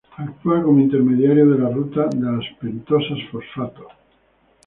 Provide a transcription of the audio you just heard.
Actúa como intermediario de la ruta de las pentosas fosfato.